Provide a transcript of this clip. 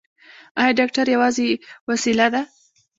ایا ډاکټر یوازې وسیله ده؟